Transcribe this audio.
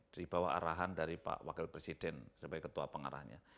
dibawa arahan dari pak wakil presiden sebagai ketua pengarahnya